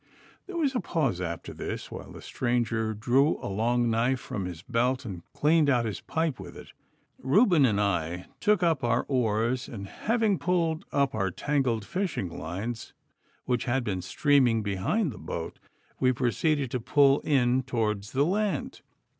There was a pause after this, while the stranger drew a long knife from his belt, and cleaned out his pipe with it. Reuben and I took up our oars, and having pulled up our tangled fishing lines, which had been streaming behind the boat, we proceeded to pull in towards the land.